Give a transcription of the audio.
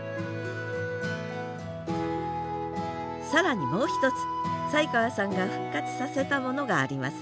更にもう一つ宰川さんが復活させたものがあります。